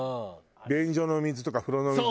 便所の水とか風呂の水